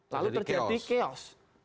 lalu terjadi chaos